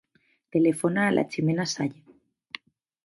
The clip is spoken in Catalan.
Telefona a la Jimena Sall.